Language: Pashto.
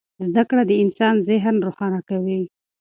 زده کړه د انسان ذهن روښانه کوي.